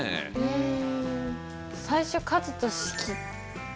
うん。